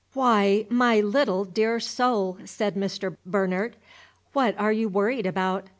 "Why, my dear little soul," said Mr. Bernard, "what are you worried about?